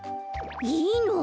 いいの？